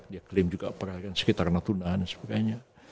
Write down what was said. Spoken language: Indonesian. dia klaim juga perairan sekitar natuna dan sebagainya